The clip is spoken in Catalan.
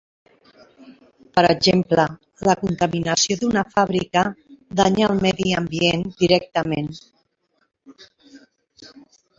Per exemple, la contaminació d'una fàbrica danya el medi ambient directament.